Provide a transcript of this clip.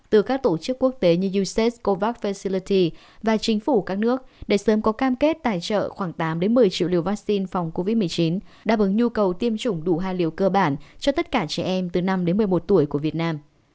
từ các tổ chức quốc tế như ucedescovax felcilleti và chính phủ các nước để sớm có cam kết tài trợ khoảng tám một mươi triệu liều vaccine phòng covid một mươi chín đáp ứng nhu cầu tiêm chủng đủ hai liều cơ bản cho tất cả trẻ em từ năm đến một mươi một tuổi của việt nam